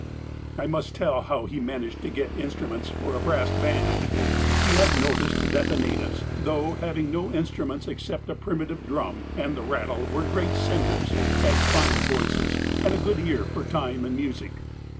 I must tell how he managed to get instruments for a brass band :^ He had noticed that the natives, though having no instruments except a primitive drum, and the rattle were great singers, had fine voices, and a good ear for time and music.